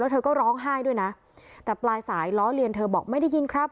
เธอก็ร้องไห้ด้วยนะแต่ปลายสายล้อเลียนเธอบอกไม่ได้ยินครับ